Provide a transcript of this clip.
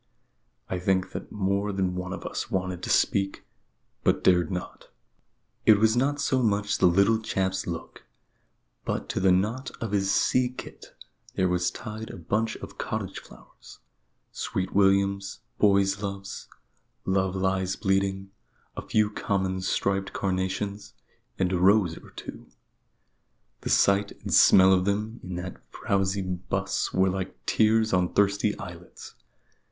I think that more than one of us wanted to speak, but dared not. It was not so much the little chap's look. But to the knot of his sea kit there was tied a bunch of cottage flowers sweet williams, boy's love, love lies bleeding, a few common striped carnations, and a rose or two and the sight and smell of them in that frowsy 'bus were like tears on thirsty eyelids.